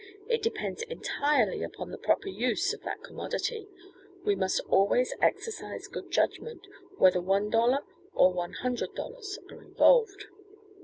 It depends entirely upon the proper use of that commodity we must always exercise good judgment, whether one dollar or one hundred dollars are involved."